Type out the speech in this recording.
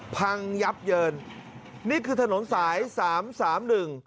พังยับเยินนี่คือถนนสายสามสามหนึ่ง